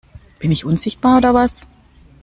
Bin ich unsichtbar oder was?